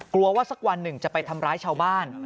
กลัวว่าสักวันหนึ่งจะไปทำร้ายชาวบ้าน